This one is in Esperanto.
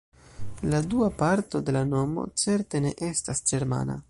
La dua parto de la nomo certe ne estas ĝermana.